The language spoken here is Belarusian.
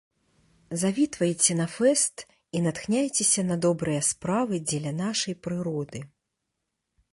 Завітвайце на фэст і натхняйцеся на добрыя справы дзеля нашай прыроды!